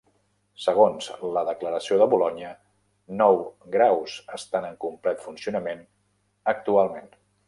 Segons la declaració de Bolonya, nou graus estan en complet funcionament actualment.